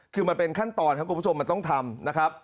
คือมันเป็นขั้นตอนที่คุณผู้ชมต้องทำ